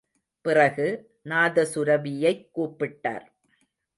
பிறகு, நாதசுரபியைக் கூப்பிட்டார்.